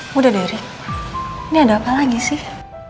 sudah deh rik ini ada apa lagi sih